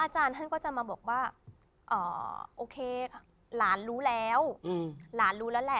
ช่วยเหลือ